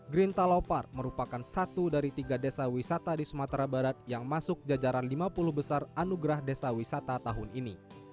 green talopar merupakan satu dari tiga desa wisata di sumatera barat yang masuk jajaran lima puluh besar anugerah desa wisata tahun ini